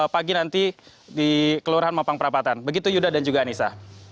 pagi nanti di kelurahan mampang perapatan begitu yuda dan juga anissa